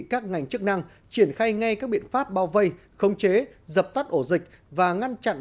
các ngành chức năng triển khai ngay các biện pháp bao vây không chế dập tắt ổ dịch và ngăn chặn